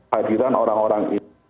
hadiran orang orang itu